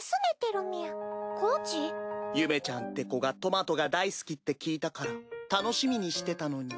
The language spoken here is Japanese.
ゆめちゃんって子がトマトが大好きって聞いたから楽しみにしてたのに。